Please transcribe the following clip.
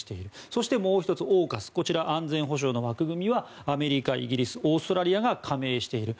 そしてもう１つ、オーカス安全保障の枠組みにはアメリカ、イギリスオーストラリアが加盟している。